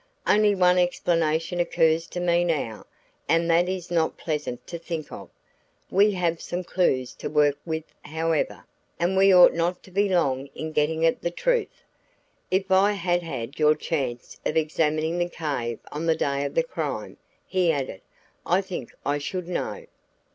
Only one explanation occurs to me now and that is not pleasant to think of. We have some clues to work with however, and we ought not to be long in getting at the truth. If I had had your chance of examining the cave on the day of the crime," he added, "I think I should know."